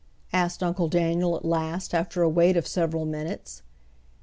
asked Uncle Daniel at last, after a wait of several minutes.